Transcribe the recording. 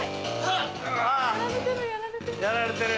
やられてる。